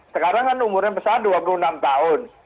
sekarang kan umurnya pesawat dua puluh enam tahun